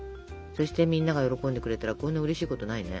そしてみんなが喜んでくれたらこんなうれしいことないね。